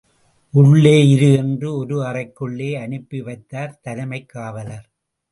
உள்ளே இரு என்று ஒரு அறைக்குள்ளே அனுப்பி வைத்தார் தலைமைக் காவலர்.